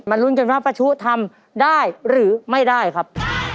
มารุ้นดึงว่าป่าชุะทำได้หรือไม่ได้ครับ